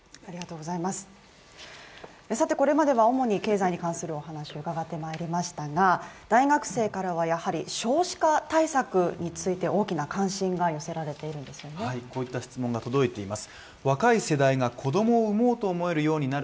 これまでは主に経済に関する話を伺ってきましたが大学生からはやはり少子化対策について大きなこういった質問が届いています。